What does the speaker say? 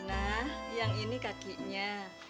nah yang ini kakinya